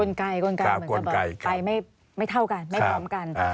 กลไกเหมือนกับแบบไปไม่เท่ากันไม่พร้อมกัน